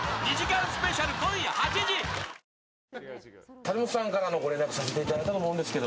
谷本さんからご連絡させていただいたと思うんですけど。